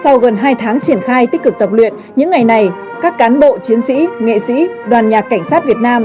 sau gần hai tháng triển khai tích cực tập luyện những ngày này các cán bộ chiến sĩ nghệ sĩ đoàn nhạc cảnh sát việt nam